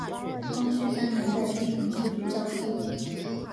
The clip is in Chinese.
光绪三年在金陵书局校书。